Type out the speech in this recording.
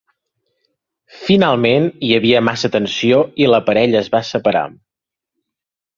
Finalment, hi havia massa tensió i la parella es va separar.